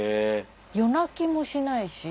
夜泣きもしないし。